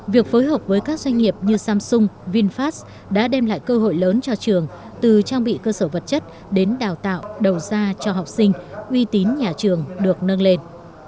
việc phối hợp với các doanh nghiệp như samsung vinfast đã đem lại cơ hội lớn cho trường từ trang bị cơ sở vật chất đến đào tạo đầu ra cho học sinh uy tín nhà trường được nâng lên